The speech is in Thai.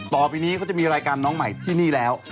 ต่อไปนี้เขาจะมีรายการน้องใหม่ที่นี่แล้ว